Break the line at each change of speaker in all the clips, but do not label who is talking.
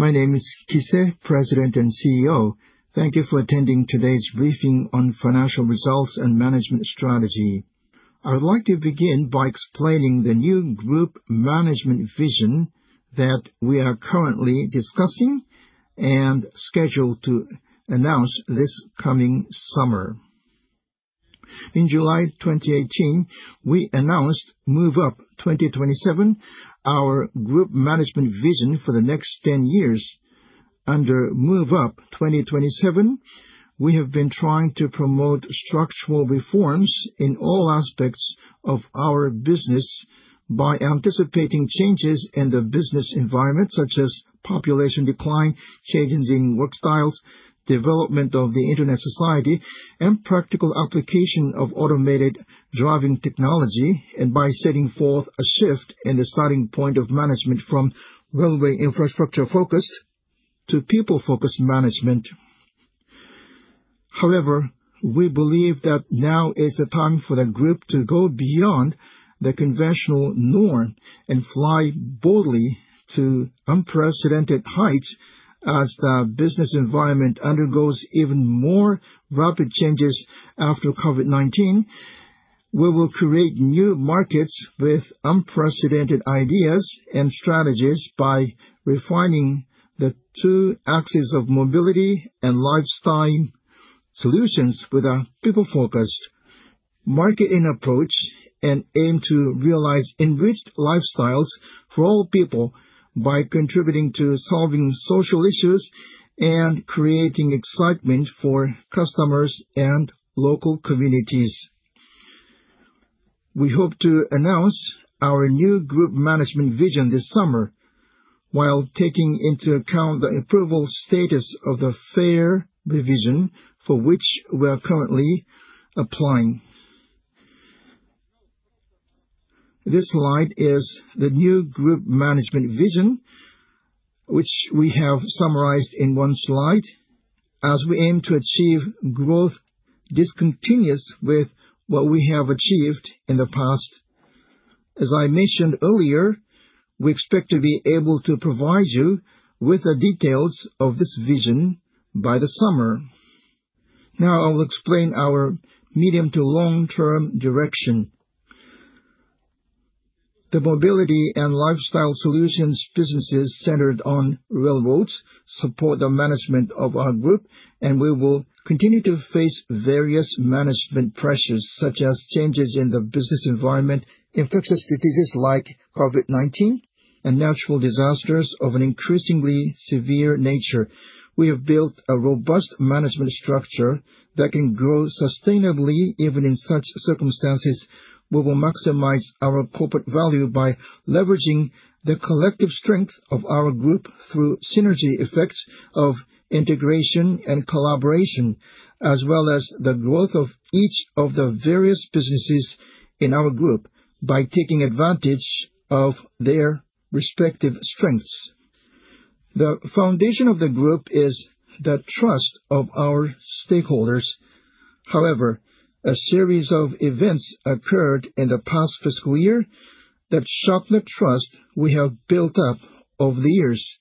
My name is Kise, President and CEO. Thank you for attending today's briefing on financial results and management strategy. I would like to begin by explaining the new group management vision that we are currently discussing and scheduled to announce this coming summer. In July 2018, we announced Move Up 2027, our group management vision for the next 10 years. Under Move Up 2027, we have been trying to promote structural reforms in all aspects of our business by anticipating changes in the business environment, such as population decline, changes in work styles, development of the Internet society, and practical application of automated driving technology, and by setting forth a shift in the starting point of management from railway infrastructure-focused to people-focused management. However, we believe that now is the time for the group to go beyond the conventional norm and fly boldly to unprecedented heights as the business environment undergoes even more rapid changes after COVID-19. We will create new markets with unprecedented ideas and strategies by refining the two axes of mobility and lifestyle solutions with a people-focused marketing approach and aim to realize enriched lifestyles for all people by contributing to solving social issues and creating excitement for customers and local communities. We hope to announce our new group management vision this summer while taking into account the approval status of the fare revision for which we are currently applying. This slide is the new group management vision, which we have summarized in one slide, as we aim to achieve growth discontinuous with what we have achieved in the past. As I mentioned earlier, we expect to be able to provide you with the details of this vision by the summer. Now, I will explain our medium to long-term direction. The mobility and lifestyle solutions businesses centered on railroads support the management of our group, and we will continue to face various management pressures, such as changes in the business environment, infectious diseases like COVID-19, and natural disasters of an increasingly severe nature. We have built a robust management structure that can grow sustainably even in such circumstances. We will maximize our corporate value by leveraging the collective strength of our group through synergy effects of integration and collaboration, as well as the growth of each of the various businesses in our group by taking advantage of their respective strengths. The foundation of the group is the trust of our stakeholders. However, a series of events occurred in the past fiscal year that sharpened the trust we have built up over the years.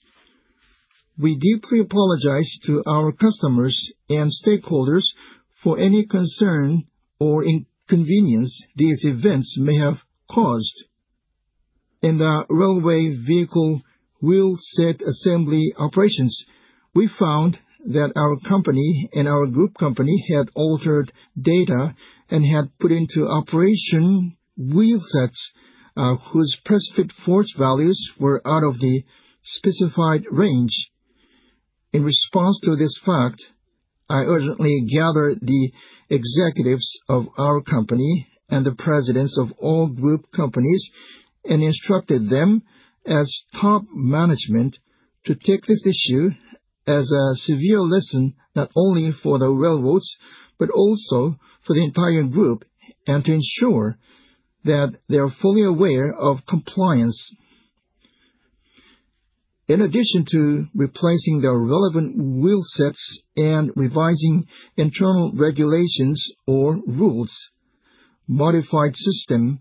We deeply apologize to our customers and stakeholders for any concern or inconvenience these events may have caused. In the railway vehicle wheel set assembly operations, we found that our company and our group company had altered data and had put into operation wheel sets whose press-fit force values were out of the specified range. In response to this fact, I urgently gathered the executives of our company and the presidents of all group companies and instructed them as top management to take this issue as a severe lesson not only for the railroads but also for the entire group and to ensure that they are fully aware of compliance. In addition to replacing the relevant wheel sets and revising internal regulations or rules, modified system,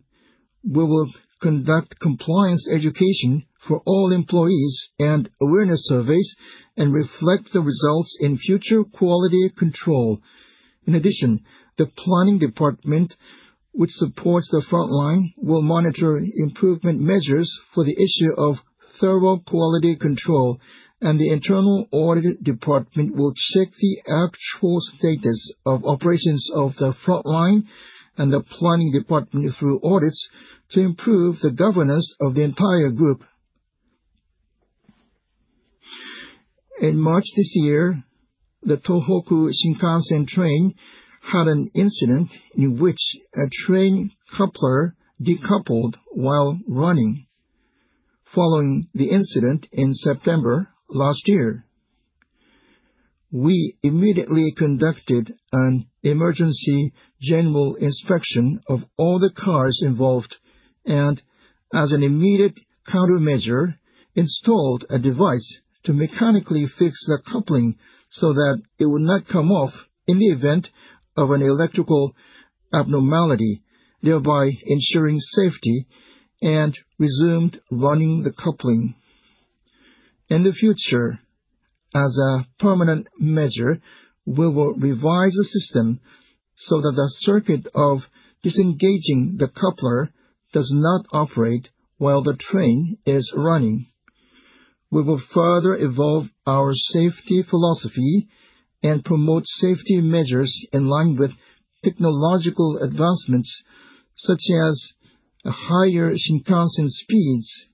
we will conduct compliance education for all employees and awareness surveys and reflect the results in future quality control. In addition, the planning department, which supports the frontline, will monitor improvement measures for the issue of thorough quality control, and the internal audit department will check the actual status of operations of the frontline and the planning department through audits to improve the governance of the entire group. In March this year, the Tohoku Shinkansen train had an incident in which a train coupler decoupled while running. Following the incident in September last year, we immediately conducted an emergency general inspection of all the cars involved and, as an immediate countermeasure, installed a device to mechanically fix the coupling so that it would not come off in the event of an electrical abnormality, thereby ensuring safety and resumed running the coupling. In the future, as a permanent measure, we will revise the system so that the circuit of disengaging the coupler does not operate while the train is running. We will further evolve our safety philosophy and promote safety measures in line with technological advancements such as higher Shinkansen speeds.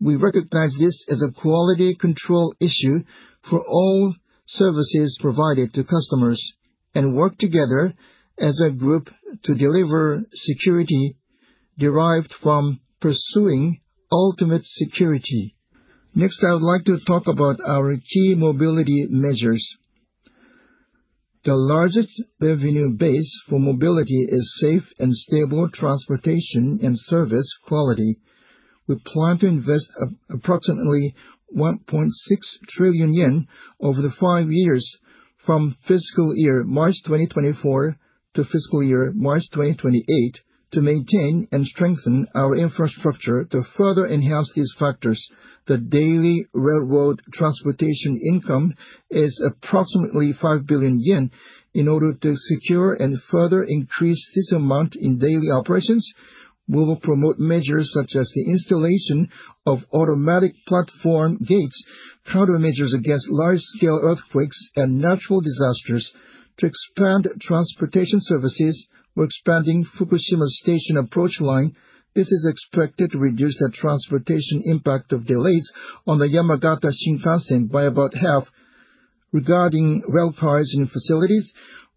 We recognize this as a quality control issue for all services provided to customers and work together as a group to deliver security derived from pursuing ultimate security. Next, I would like to talk about our key mobility measures. The largest revenue base for mobility is safe and stable transportation and service quality. We plan to invest approximately 1.6 trillion yen over the five years from fiscal year March 2024 to fiscal year March 2028 to maintain and strengthen our infrastructure to further enhance these factors. The daily railroad transportation income is approximately 5 billion yen. In order to secure and further increase this amount in daily operations, we will promote measures such as the installation of automatic platform gates, countermeasures against large-scale earthquakes and natural disasters, to expand transportation services. We're expanding Fukushima Station approach line. This is expected to reduce the transportation impact of delays on the Yamagata Shinkansen by about half. Regarding rail cars and facilities,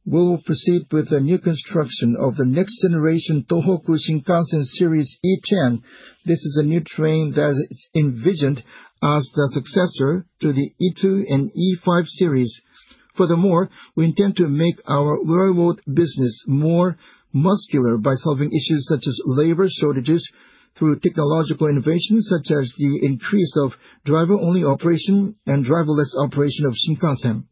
we will proceed with the new construction of the next-generation Tohoku Shinkansen Series E10. This is a new train that is envisioned as the successor to the E2 and E5 series. Furthermore, we intend to make our railroad business more muscular by solving issues such as labor shortages through technological innovations such as the increase of driver-only operation and driverless operation of Shinkansen.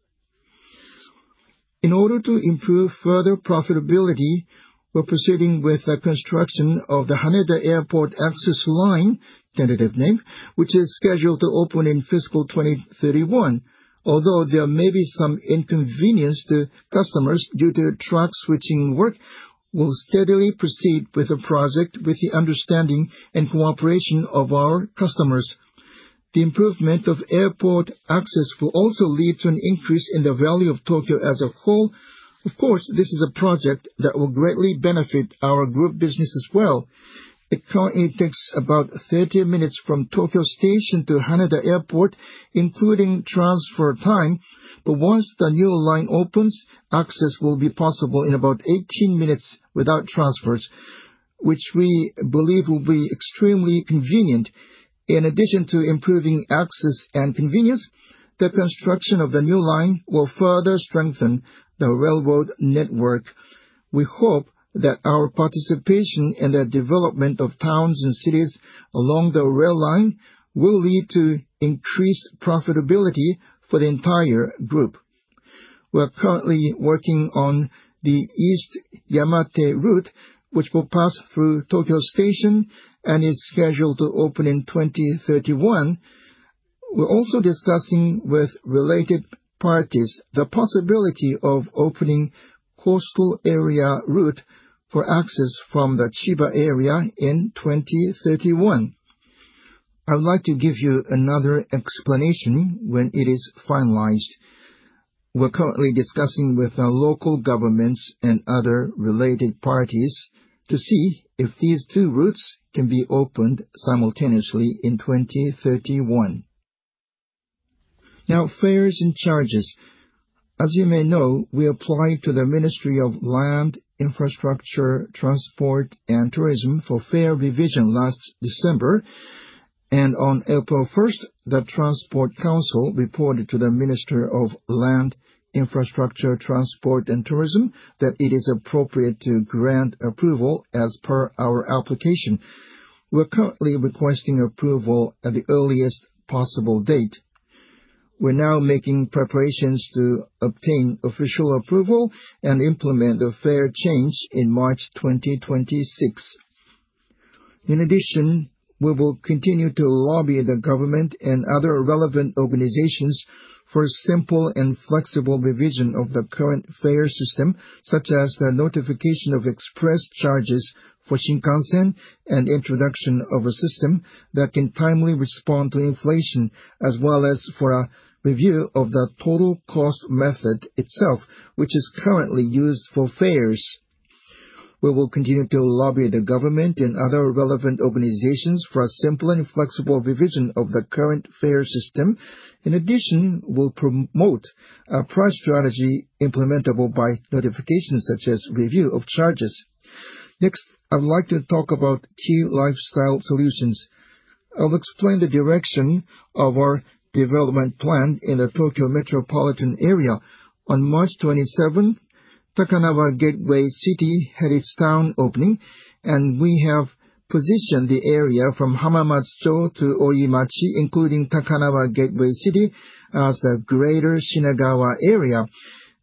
In order to improve further profitability, we're proceeding with the construction of the Haneda Airport Access Line, which is scheduled to open in fiscal 2031. Although there may be some inconvenience to customers due to track switching work, we'll steadily proceed with the project with the understanding and cooperation of our customers. The improvement of airport access will also lead to an increase in the value of Tokyo as a whole. Of course, this is a project that will greatly benefit our group business as well. It currently takes about 30 minutes from Tokyo Station to Haneda Airport, including transfer time, but once the new line opens, access will be possible in about 18 minutes without transfers, which we believe will be extremely convenient. In addition to improving access and convenience, the construction of the new line will further strengthen the railroad network. We hope that our participation in the development of towns and cities along the rail line will lead to increased profitability for the entire group. We're currently working on the East Yamate Route, which will pass through Tokyo Station and is scheduled to open in 2031. We're also discussing with related parties the possibility of opening Coastal Area Route for access from the Chiba area in 2031. I would like to give you another explanation when it is finalized. We're currently discussing with the local governments and other related parties to see if these two routes can be opened simultaneously in 2031. Now, fares and charges. As you may know, we applied to the Ministry of Land, Infrastructure, Transport, and Tourism for fare revision last December, and on April 1, the Transport Council reported to the Minister of Land, Infrastructure, Transport, and Tourism that it is appropriate to grant approval as per our application. We're currently requesting approval at the earliest possible date. We're now making preparations to obtain official approval and implement the fare change in March 2026. In addition, we will continue to lobby the government and other relevant organizations for a simple and flexible revision of the current fare system, such as the notification of express charges for Shinkansen and introduction of a system that can timely respond to inflation, as well as for a review of the total cost method itself, which is currently used for fares. We will continue to lobby the government and other relevant organizations for a simple and flexible revision of the current fare system. In addition, we'll promote a price strategy implementable by notification such as review of charges. Next, I would like to talk about key lifestyle solutions. I'll explain the direction of our development plan in the Tokyo Metropolitan Area. On March 27, Takanawa Gateway City had its town opening, and we have positioned the area from Hamamatsucho to Oimachi, including Takanawa Gateway City, as the greater Shinagawa Area,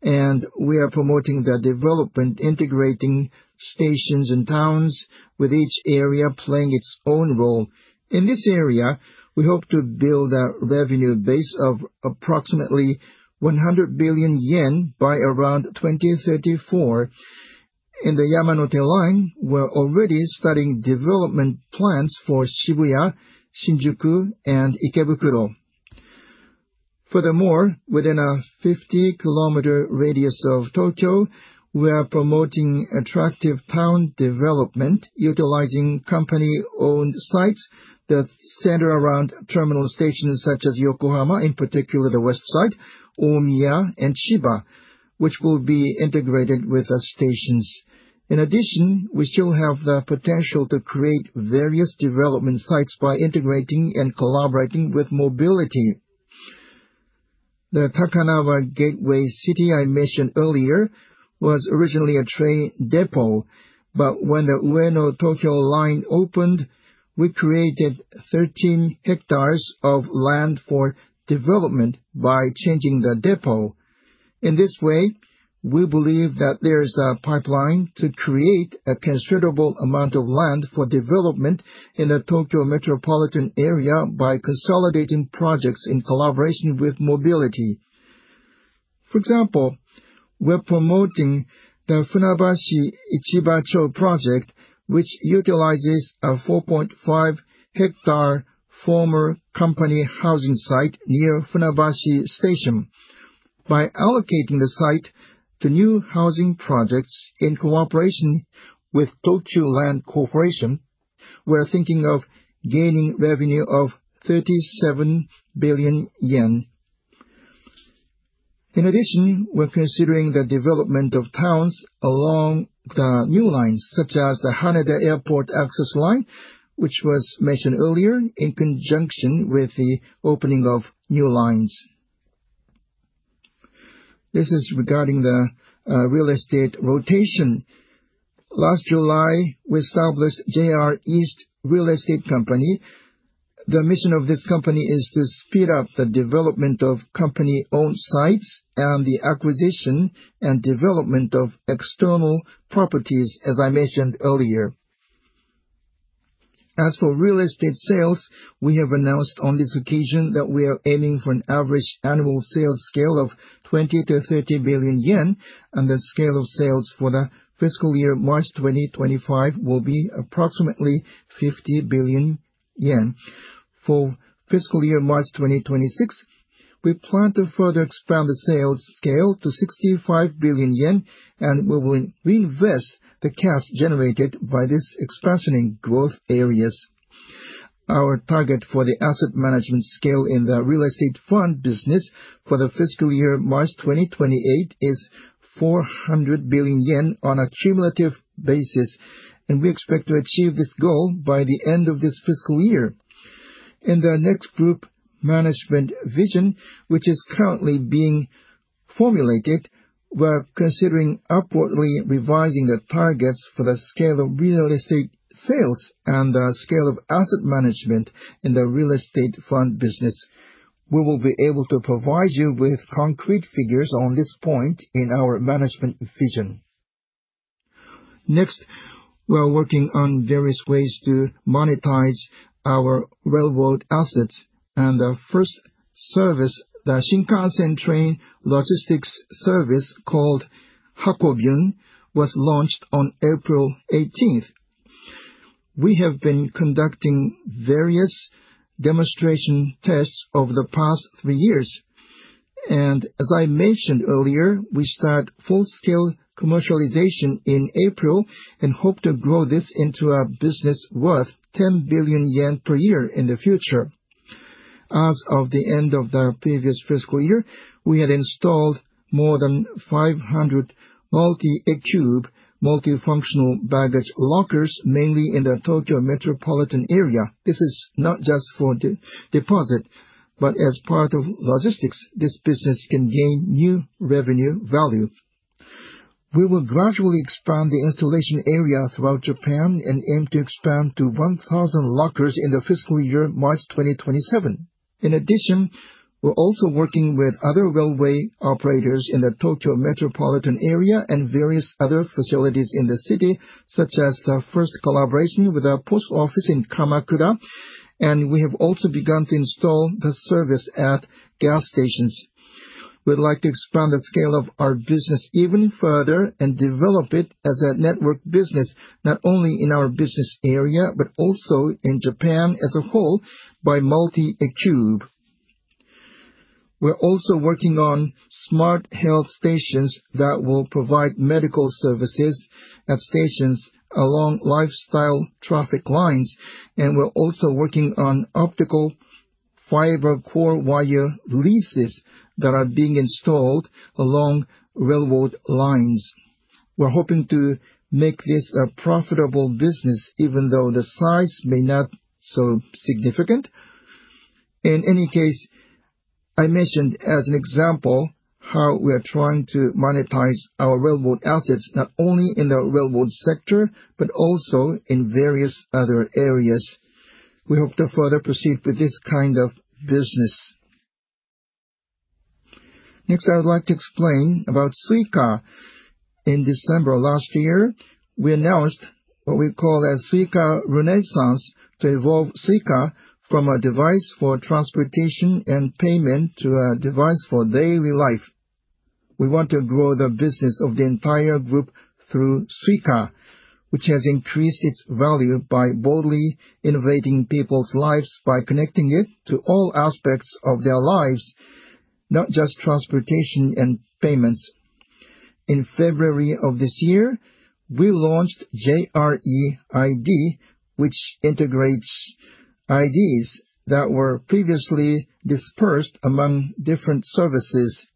and we are promoting the development, integrating stations and towns with each area playing its own role. In this area, we hope to build a revenue base of approximately 100 billion yen by around 2034. In the Yamanote Line, we're already studying development plans for Shibuya, Shinjuku, and Ikebukuro. Furthermore, within a 50 km radius of Tokyo, we are promoting attractive town development utilizing company-owned sites that center around terminal stations such as Yokohama, in particular the west side, Omiya, and Chiba, which will be integrated with the stations. In addition, we still have the potential to create various development sites by integrating and collaborating with mobility. The Takanawa Gateway City I mentioned earlier was originally a train depot, but when the Ueno-Tokyo Line opened, we created 13 hectares of land for development by changing the depot. In this way, we believe that there is a pipeline to create a considerable amount of land for development in the Tokyo Metropolitan Area by consolidating projects in collaboration with mobility. For example, we're promoting the Funabashi Ichibacho project, which utilizes a 4.5-hectare former company housing site near Funabashi Station. By allocating the site to new housing projects in cooperation with Tokyu Land Corporation, we're thinking of gaining revenue of 37 billion yen. In addition, we're considering the development of towns along the new lines, such as the Haneda Airport Access Line, which was mentioned earlier in conjunction with the opening of new lines. This is regarding the real estate rotation. Last July, we established JR East Real Estate Company. The mission of this company is to speed up the development of company-owned sites and the acquisition and development of external properties, as I mentioned earlier. As for real estate sales, we have announced on this occasion that we are aiming for an average annual sales scale of 20 billion-30 billion yen, and the scale of sales for the fiscal year March 2025 will be approximately 50 billion yen. For fiscal year March 2026, we plan to further expand the sales scale to 65 billion yen, and we will reinvest the cash generated by this expansion in growth areas. Our target for the asset management scale in the real estate fund business for the fiscal year March 2028 is 400 billion yen on a cumulative basis, and we expect to achieve this goal by the end of this fiscal year. In the next group management vision, which is currently being formulated, we're considering upwardly revising the targets for the scale of real estate sales and the scale of asset management in the real estate fund business. We will be able to provide you with concrete figures on this point in our management vision. Next, we're working on various ways to monetize our railroad assets, and the first service, the Shinkansen train logistics service called Hakobyun, was launched on April 18. We have been conducting various demonstration tests over the past three years, and as I mentioned earlier, we start full-scale commercialization in April and hope to grow this into a business worth 10 billion yen per year in the future. As of the end of the previous fiscal year, we had installed more than 500 Multi-ecube, multifunctional baggage lockers, mainly in the Tokyo Metropolitan Area. This is not just for the deposit, but as part of logistics, this business can gain new revenue value. We will gradually expand the installation area throughout Japan and aim to expand to 1,000 lockers in the fiscal year March 2027. In addition, we're also working with other railway operators in the Tokyo Metropolitan Area and various other facilities in the city, such as the first collaboration with a post office in Kamakura, and we have also begun to install the service at gas stations. We'd like to expand the scale of our business even further and develop it as a network business, not only in our business area, but also in Japan as a whole by Multi-ecube. We're also working on Smart Health Stations that will provide medical services at stations along lifestyle traffic lines, and we're also working on optical fiber core wire leases that are being installed along railroad lines. We're hoping to make this a profitable business, even though the size may not be so significant. In any case, I mentioned as an example how we are trying to monetize our railroad assets, not only in the railroad sector, but also in various other areas. We hope to further proceed with this kind of business. Next, I would like to explain about Suica. In December last year, we announced what we call a Suica Renaissance to evolve Suica from a device for transportation and payment to a device for daily life. We want to grow the business of the entire group through Suica, which has increased its value by boldly innovating people's lives by connecting it to all aspects of their lives, not just transportation and payments. In February of this year, we launched JRE ID, which integrates IDs that were previously dispersed among different services.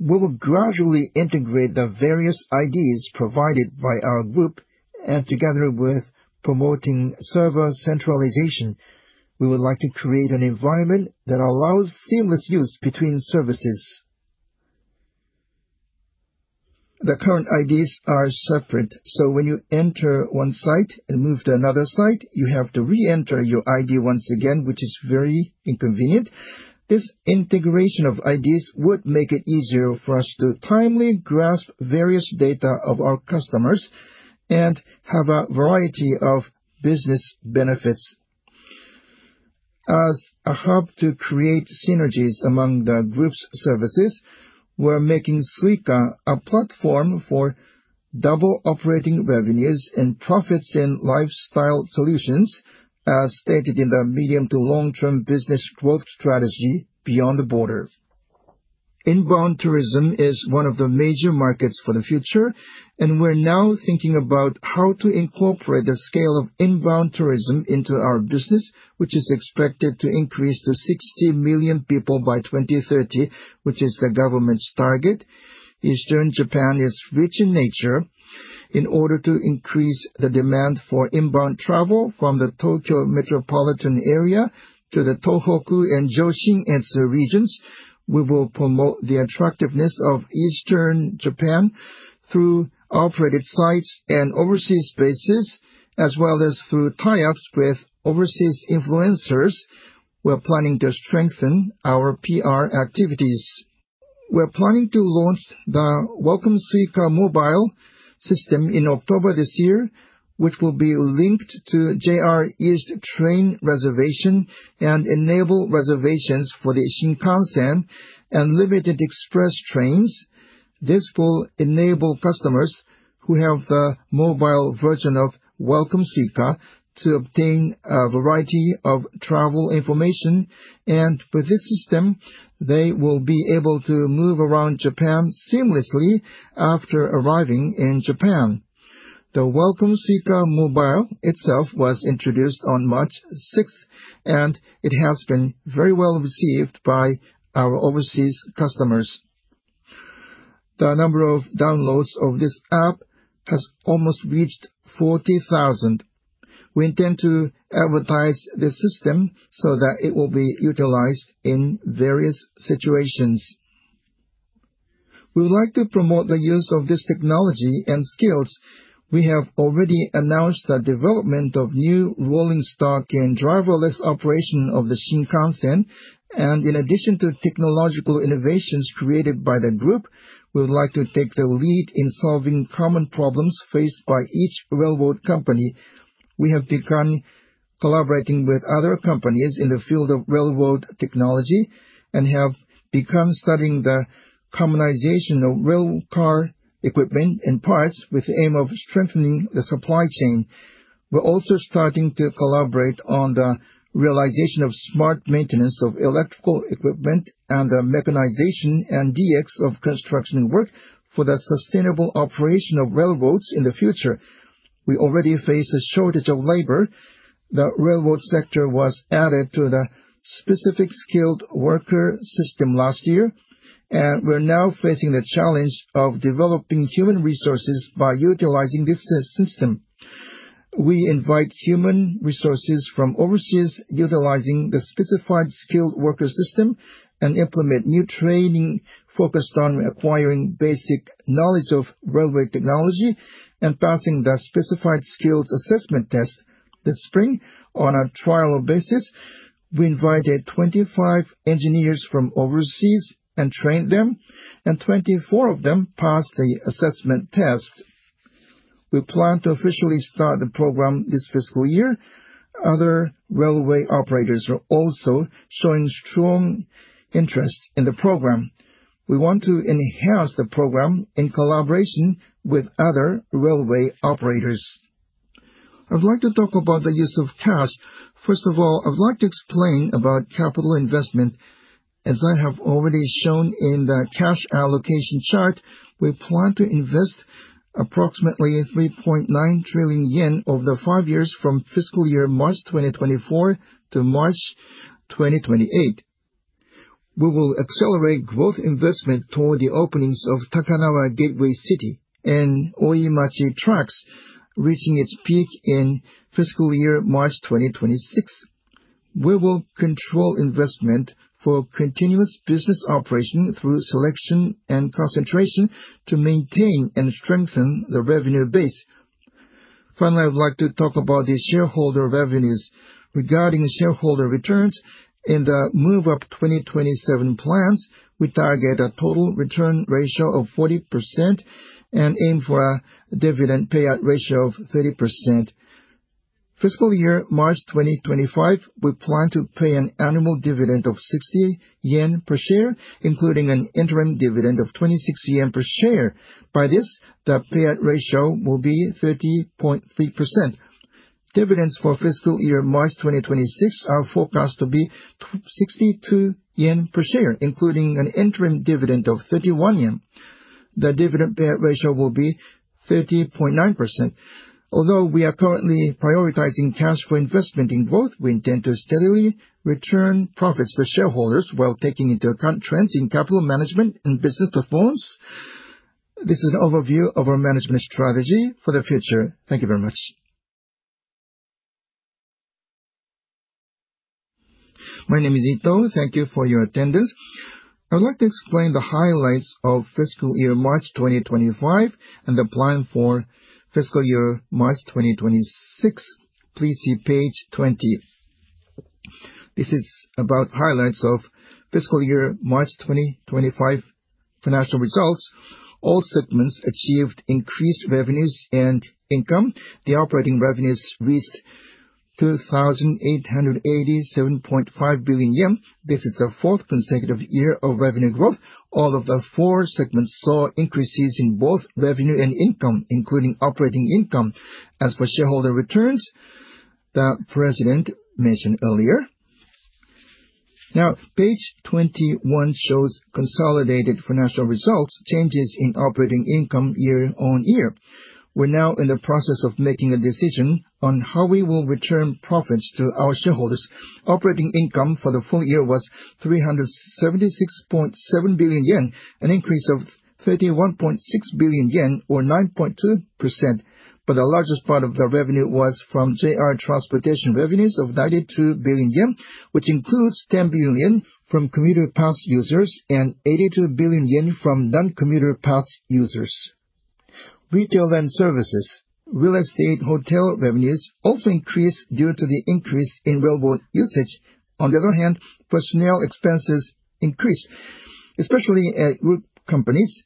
We will gradually integrate the various IDs provided by our group, and together with promoting server centralization, we would like to create an environment that allows seamless use between services. The current IDs are separate, so when you enter one site and move to another site, you have to re-enter your ID once again, which is very inconvenient. This integration of IDs would make it easier for us to timely grasp various data of our customers and have a variety of business benefits. As a hub to create synergies among the group's services, we're making Suica a platform for double operating revenues and profits in lifestyle solutions, as stated in the medium to long-term business growth strategy Beyond the Border. Inbound tourism is one of the major markets for the future, and we're now thinking about how to incorporate the scale of inbound tourism into our business, which is expected to increase to 60 million people by 2030, which is the government's target. Eastern Japan is rich in nature. In order to increase the demand for inbound travel from the Tokyo Metropolitan Area to the Tohoku and Joshinetsu regions, we will promote the attractiveness of Eastern Japan through operated sites and overseas bases, as well as through tie-ups with overseas influencers. We're planning to strengthen our PR activities. We're planning to launch the Welcome Suica Mobile system in October this year, which will be linked to JR-EAST Train Reservation and enable reservations for the Shinkansen and Limited Express trains. This will enable customers who have the mobile version of Welcome Suica to obtain a variety of travel information, and with this system, they will be able to move around Japan seamlessly after arriving in Japan. The Welcome Suica Mobile itself was introduced on March 6, and it has been very well received by our overseas customers. The number of downloads of this app has almost reached 40,000. We intend to advertise this system so that it will be utilized in various situations. We would like to promote the use of this technology and skills. We have already announced the development of new rolling stock and driverless operation of the Shinkansen, and in addition to technological innovations created by the group, we would like to take the lead in solving common problems faced by each railroad company. We have begun collaborating with other companies in the field of railroad technology and have begun studying the harmonization of rail car equipment and parts with the aim of strengthening the supply chain. We're also starting to collaborate on the realization of smart maintenance of electrical equipment and the mechanization and DX of construction work for the sustainable operation of railroads in the future. We already face a shortage of labor. The railroad sector was added to the specified skilled worker system last year, and we're now facing the challenge of developing human resources by utilizing this system. We invite human resources from overseas, utilizing the specified skilled worker system, and implement new training focused on acquiring basic knowledge of railway technology and passing the specified skills assessment test this spring on a trial basis. We invited 25 engineers from overseas and trained them, and 24 of them passed the assessment test. We plan to officially start the program this fiscal year. Other railway operators are also showing strong interest in the program. We want to enhance the program in collaboration with other railway operators. I'd like to talk about the use of cash. First of all, I'd like to explain about capital investment. As I have already shown in the cash allocation chart, we plan to invest approximately 3.9 trillion yen over the five years from fiscal year March 2024 to March 2028. We will accelerate growth investment toward the openings of Takanawa Gateway City and OIMACHI TRACKS, reaching its peak in fiscal year March 2026. We will control investment for continuous business operation through selection and concentration to maintain and strengthen the revenue base. Finally, I'd like to talk about the shareholder revenues. Regarding shareholder returns, in the Move Up 2027 plans, we target a total return ratio of 40% and aim for a dividend payout ratio of 30%. Fiscal year March 2025, we plan to pay an annual dividend of 60 yen per share, including an interim dividend of 26 yen per share. By this, the payout ratio will be 30.3%. Dividends for fiscal year March 2026 are forecast to be 62 yen per share, including an interim dividend of 31 yen. The dividend payout ratio will be 30.9%. Although we are currently prioritizing cash for investment in growth, we intend to steadily return profits to shareholders while taking into account trends in capital management and business performance. This is an overview of our management strategy for the future. Thank you very much. My name is Ito. Thank you for your attendance. I would like to explain the highlights of fiscal year March 2025 and the plan for fiscal year March 2026. Please see page 20. This is about highlights of fiscal year March 2025 financial results. All segments achieved increased revenues and income. The operating revenues reached 2,887.5 billion yen. This is the fourth consecutive year of revenue growth. All of the four segments saw increases in both revenue and income, including operating income. As for shareholder returns, the President mentioned earlier. Now, page 21 shows consolidated financial results, changes in operating income year on year. We're now in the process of making a decision on how we will return profits to our shareholders. Operating income for the full year was 376.7 billion yen, an increase of 31.6 billion yen, or 9.2%. The largest part of the revenue was from JR Transportation revenues of 92 billion yen, which includes 10 billion yen from commuter pass users and 82 billion yen from non-commuter pass users. Retail and services, real estate, hotel revenues also increased due to the increase in railroad usage. On the other hand, personnel expenses increased, especially at group companies.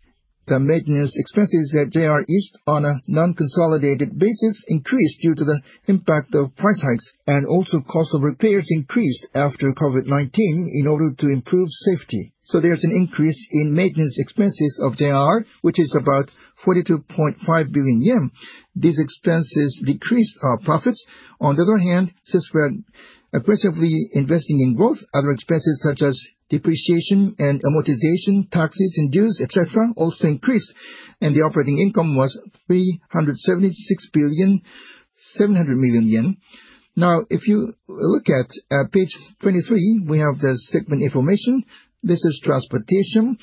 The maintenance expenses at JR East on a non-consolidated basis increased due to the impact of price hikes, and also cost of repairs increased after COVID-19 in order to improve safety. There is an increase in maintenance expenses of JR, which is about 42.5 billion yen. These expenses decreased our profits. On the other hand, since we're aggressively investing in growth, other expenses such as depreciation and amortization, taxes and dues, etc., also increased, and the operating income was 376.7 billion. Now, if you look at page 23, we have the segment information. This is transportation.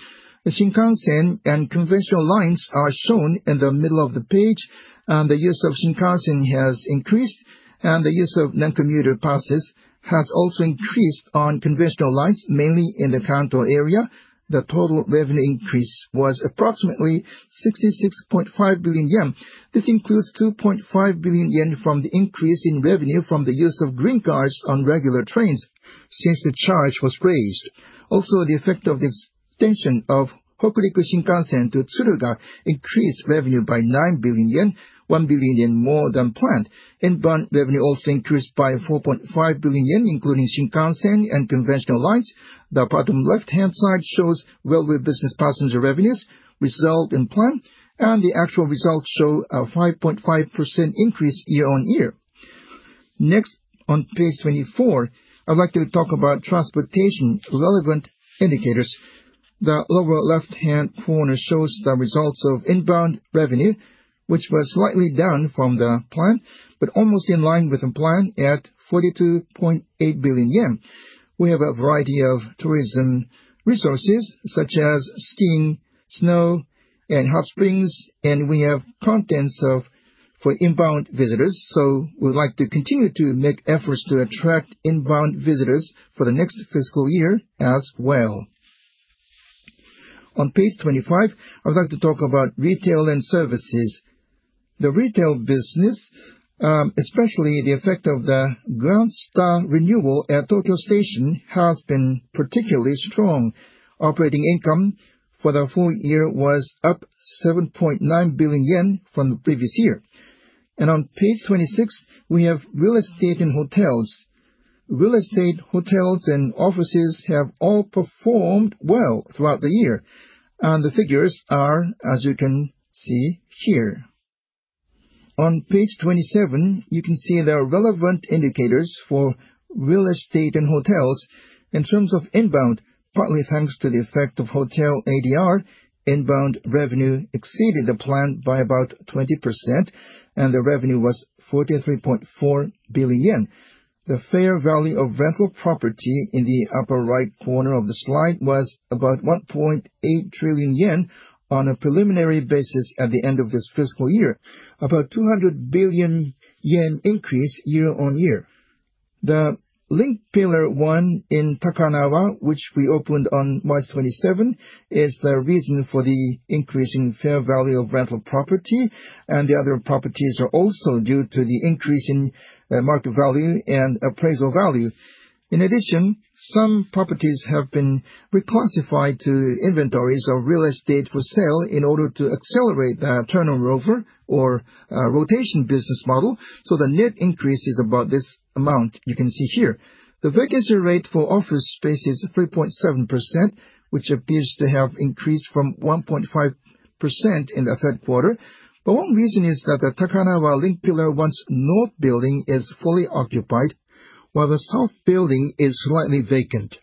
The Shinkansen and conventional lines are shown in the middle of the page, and the use of Shinkansen has increased, and the use of non-commuter passes has also increased on conventional lines, mainly in the Kanto area. The total revenue increase was approximately 66.5 billion yen. This includes 2.5 billion yen from the increase in revenue from the use of Green Cars on regular trains since the charge was raised. Also, the effect of the extension of Hokuriku Shinkansen to Tsuruga increased revenue by 9 billion yen, 1 billion yen more than planned. Inbound revenue also increased by 4.5 billion yen, including Shinkansen and conventional lines. The bottom left-hand side shows railway business passenger revenues result in plan, and the actual results show a 5.5% increase year on year. Next, on page 24, I'd like to talk about transportation relevant indicators. The lower left-hand corner shows the results of inbound revenue, which was slightly down from the plan, but almost in line with the plan at 42.8 billion yen. We have a variety of tourism resources such as skiing, snow, and hot springs, and we have contents for inbound visitors. We'd like to continue to make efforts to attract inbound visitors for the next fiscal year as well. On page 25, I'd like to talk about retail and services. The retail business, especially the effect of the GRANSTA Renewal at Tokyo Station, has been particularly strong. Operating income for the full year was up 7.9 billion yen from the previous year. On page 26, we have real estate and hotels. Real estate, hotels, and offices have all performed well throughout the year, and the figures are, as you can see here. On page 27, you can see the relevant indicators for real estate and hotels. In terms of inbound, partly thanks to the effect of hotel ADR, inbound revenue exceeded the plan by about 20%, and the revenue was 43.4 billion yen. The fair value of rental property in the upper right corner of the slide was about 1.8 trillion yen on a preliminary basis at the end of this fiscal year, about 200 billion yen increase year on year. THE LINKPILLAR 1 in Takanawa, which we opened on March 27, is the reason for the increase in fair value of rental property, and the other properties are also due to the increase in market value and appraisal value. In addition, some properties have been reclassified to inventories of real estate for sale in order to accelerate the turnover or rotation business model. The net increase is about this amount you can see here. The vacancy rate for office space is 3.7%, which appears to have increased from 1.5% in the third quarter. One reason is that Takanawa THE LINKPILLAR 1's north building is fully occupied, while the south building is slightly vacant.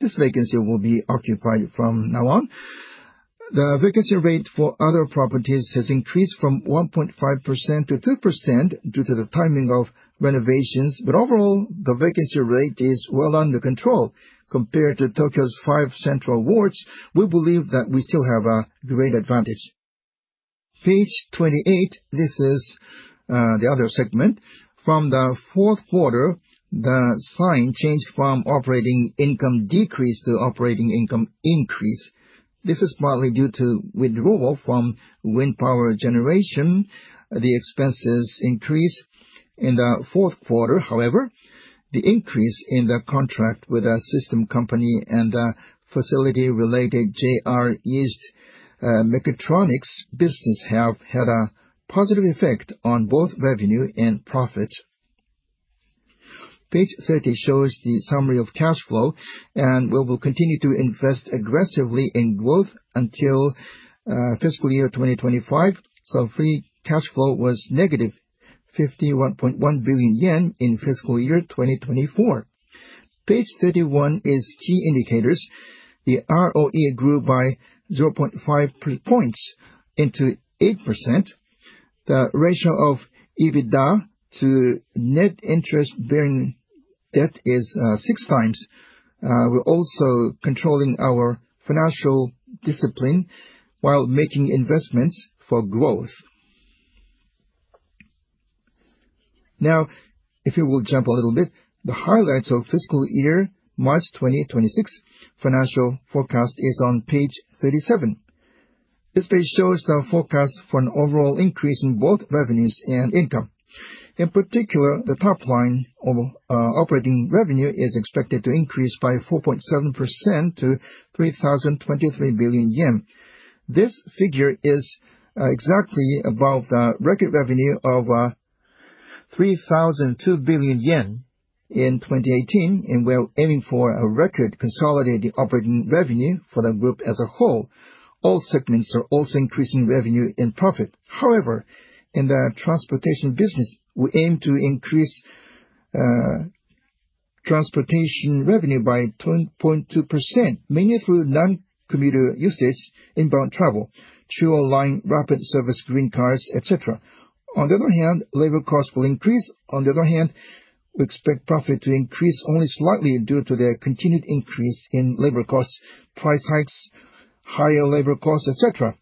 This vacancy will be occupied from now on. The vacancy rate for other properties has increased from 1.5% to 2% due to the timing of renovations, but overall, the vacancy rate is well under control. Compared to Tokyo's five central wards, we believe that we still have a great advantage. Page 28, this is the other segment. From the fourth quarter, the sign changed from operating income decrease to operating income increase. This is partly due to withdrawal from wind power generation. The expenses increase in the fourth quarter. However, the increase in the contract with a system company and the facility-related JR East Mechatronics business have had a positive effect on both revenue and profit. Page 30 shows the summary of cash flow, and we will continue to invest aggressively in growth until fiscal year 2025. Free cash flow was negative, 51.1 billion yen in fiscal year 2024. Page 31 is key indicators. The ROE grew by 0.5 percentage points into 8%. The ratio of EBITDA to net interest-bearing debt is six times. We're also controlling our financial discipline while making investments for growth. Now, if you will jump a little bit, the highlights of fiscal year March 2026 financial forecast is on page 37. This page shows the forecast for an overall increase in both revenues and income. In particular, the top line of operating revenue is expected to increase by 4.7% to 3,023 billion yen. This figure is exactly above the record revenue of 3,002 billion yen in 2018, and we're aiming for a record consolidated operating revenue for the group as a whole. All segments are also increasing revenue and profit. However, in the transportation business, we aim to increase transportation revenue by 10.2%, mainly through non-commuter usage, inbound travel, Chuo Line, Rapid Service, Green Cars, etc. On the other hand, labor costs will increase. On the other hand, we expect profit to increase only slightly due to the continued increase in labor costs, price hikes, higher labor costs, etc.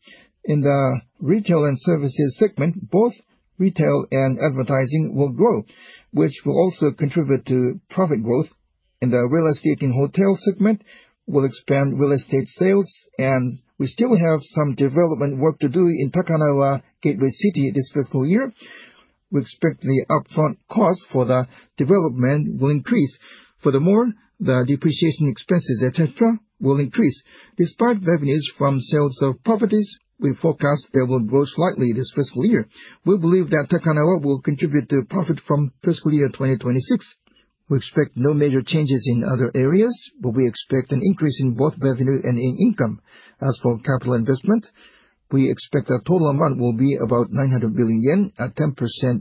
In the retail and services segment, both retail and advertising will grow, which will also contribute to profit growth. In the real estate and hotel segment, we'll expand real estate sales, and we still have some development work to do in Takanawa Gateway City this fiscal year. We expect the upfront cost for the development will increase. Furthermore, the depreciation expenses, etc., will increase. Despite revenues from sales of properties, we forecast they will grow slightly this fiscal year. We believe that Takanawa will contribute to profit from fiscal year 2026. We expect no major changes in other areas, but we expect an increase in both revenue and in income. As for capital investment, we expect the total amount will be about 900 billion yen, a 10%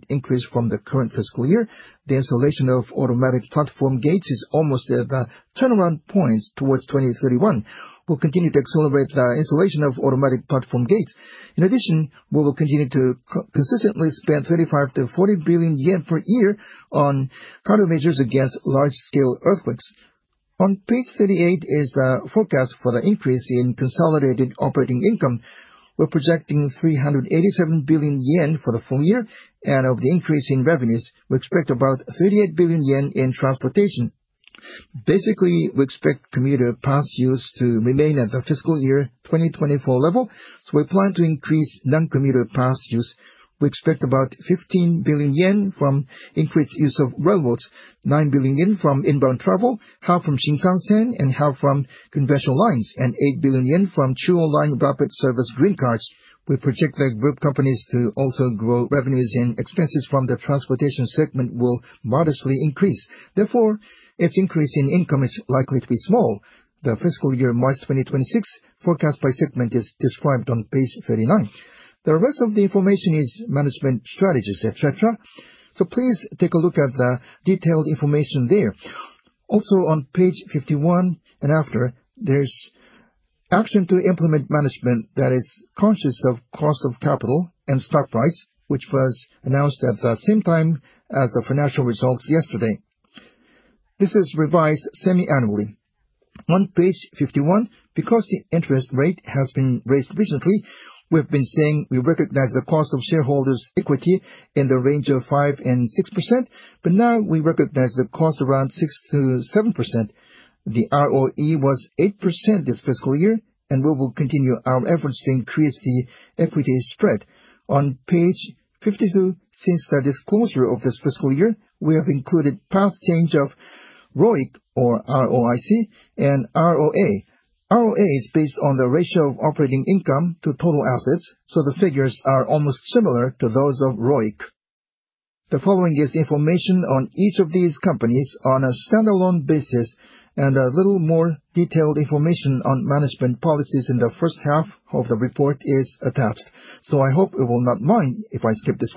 increase from the current fiscal year. The installation of automatic platform gates is almost at the turnaround points towards 2031. We will continue to accelerate the installation of automatic platform gates. In addition, we will continue to consistently spend 35-40 billion yen per year on countermeasures against large-scale earthquakes. On page 38 is the forecast for the increase in consolidated operating income. We are projecting 387 billion yen for the full year, and of the increase in revenues, we expect about 38 billion yen in transportation. Basically, we expect commuter pass use to remain at the fiscal year 2024 level, so we plan to increase non-commuter pass use. We expect about 15 billion yen from increased use of railroads, 9 billion yen from inbound travel, half from Shinkansen and half from conventional lines, and 8 billion yen from Chuo Line, Rapid Service, Green Cars. We project the group companies to also grow revenues and expenses from the transportation segment will modestly increase. Therefore, its increase in income is likely to be small. The fiscal year March 2026 forecast by segment is described on page 39. The rest of the information is management strategies, etc. Please take a look at the detailed information there. Also on page 51 and after, there is action to implement management that is conscious of cost of capital and stock price, which was announced at the same time as the financial results yesterday. This is revised semi-annually. On page 51, because the interest rate has been raised recently, we've been saying we recognize the cost of shareholders' equity in the range of 5-6%, but now we recognize the cost around 6-7%. The ROE was 8% this fiscal year, and we will continue our efforts to increase the equity spread. On page 52, since the disclosure of this fiscal year, we have included past change of ROIC or ROIC and ROA. ROA is based on the ratio of operating income to total assets, so the figures are almost similar to those of ROIC. The following is information on each of these companies on a standalone basis, and a little more detailed information on management policies in the first half of the report is attached. I hope you will not mind if I skip this one.